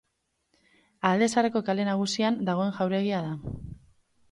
Alde Zaharreko Kale Nagusian dagoen jauregia da.